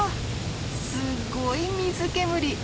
すごい水煙。